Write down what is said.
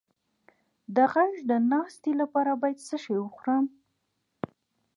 د غږ د ناستې لپاره باید څه شی وخورم؟